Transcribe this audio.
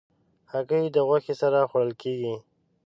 هګۍ د غوښې سره خوړل کېږي.